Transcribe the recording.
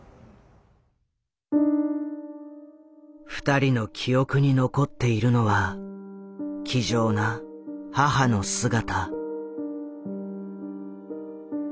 ２人の記憶に残っているのは気丈な母の姿。